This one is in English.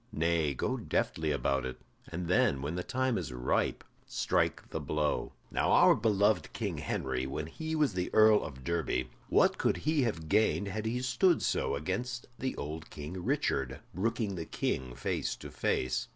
Nay, go deftly about it, and then, when the time is ripe, strike the blow. Now our beloved King Henry, when he was the Earl of Derby, what could he have gained had he stood so against the old King Richard, brooking the King face to face?